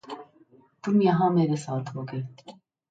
तुम यहाँ मेरे साथ होगे।